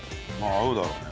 合うだろうね。